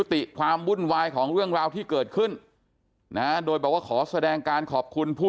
ส่งข้อความมาตลอดเลยนะคุณผู้ส่งข้อความมาตลอดเลยนะคุณผู้